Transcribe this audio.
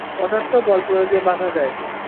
পদার্থ বল প্রয়োগে বাঁধা দেয়।